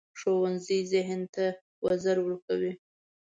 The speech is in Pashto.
ښوونځی ذهن ته وزر ورکوي